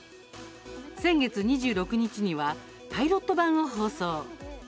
先月２６日にはパイロット版を放送。